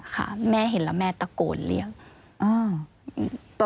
ค่ะแม่เห็นแล้วแม่ตะโกนเรียก